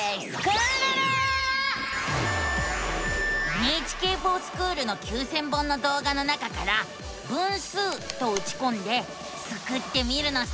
「ＮＨＫｆｏｒＳｃｈｏｏｌ」の９，０００本の動画の中から「分数」とうちこんでスクってみるのさ！